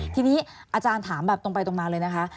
ทีนี้อาจารย์ถามตรงป่ายตรงแลนี่เลยนะคะ